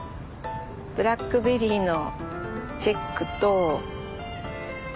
ブラックベリーのチェックと。